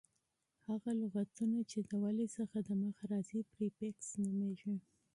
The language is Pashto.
هغه لغتونه، چي د ولي څخه دمخه راځي پریفکس نومیږي.